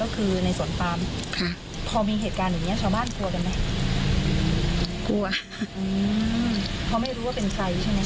เขาไม่รู้ว่าเป็นใครใช่ไหม